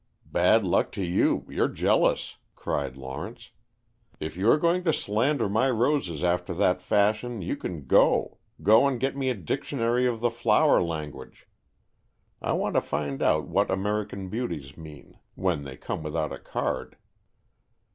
"Bad luck to you, you're jealous," cried Lawrence. "If you are going to slander my roses after that fashion, you can go, go and get me a dictionary of the flower language. I want to find out what American Beauties mean, when they come without a card."